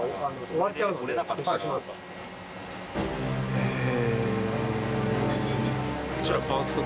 へえ。